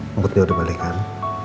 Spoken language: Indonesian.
mumputnya udah balik kan